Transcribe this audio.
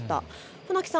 船木さん